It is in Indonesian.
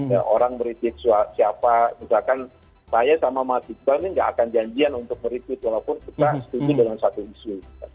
ya orang merikik siapa misalkan saya sama mas jitbang ini gak akan janjian untuk merikik walaupun kita setuju dalam satu isu